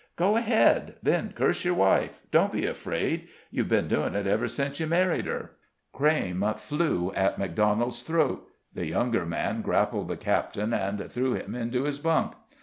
"Go ahead! Then curse your wife don't be afraid; you've been doing it ever since you married her." Crayme flew at Macdonald's throat; the younger man grappled the captain and threw him into his bunk.